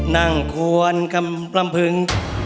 นั่งควรกำลังพึง